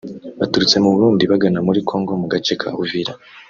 baturutse mu Burundi bagana muri Congo mu gace ka Uvira